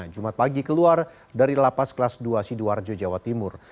jumat pagi keluar dari lapas kelas dua sidoarjo jawa timur